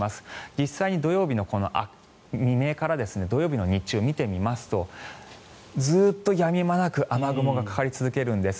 実際に土曜日の未明から日中を見てみますとずっとやみ間なく雨雲がかかり続けるんです。